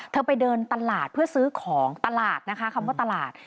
ไปเดินตลาดเพื่อซื้อของตลาดนะคะคำว่าตลาด